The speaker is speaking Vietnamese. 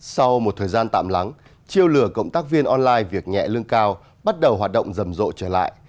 sau một thời gian tạm lắng chiêu lừa cộng tác viên online việc nhẹ lương cao bắt đầu hoạt động rầm rộ trở lại